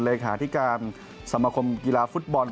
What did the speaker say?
เลขาธิการสมคมกีฬาฟุตบอล